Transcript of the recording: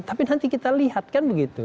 tapi nanti kita lihat kan begitu